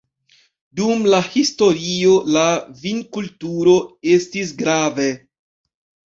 Dum la historio la vinkulturo estis grave.